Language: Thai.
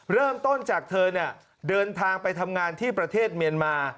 เริ่มต้นจากเธอเดินทางไปทำงานที่ประเทศเมียนมา